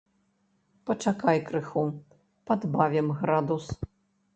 Пачакай крыху, падбавім градус.